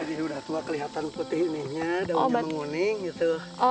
iya udah tua kelihatan putih ininya daunnya menguning gitu